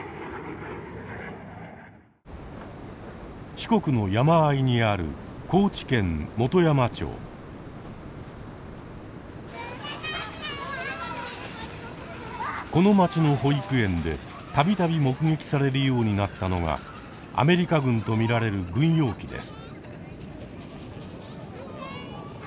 四国の山あいにあるこの町の保育園で度々目撃されるようになったのがアメリカ軍と見られる軍用機です。